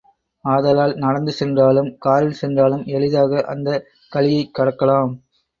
ஆதலால் நடந்து சென்றாலும் காரில் சென்றாலும், எளிதாக அந்தக் கழியைக் கடக்கலாம்.